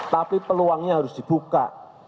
tapi peluangnya harus dibuka